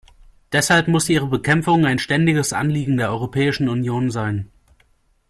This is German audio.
Deshalb muss ihre Bekämpfung ein ständiges Anliegen der Europäischen Union sein.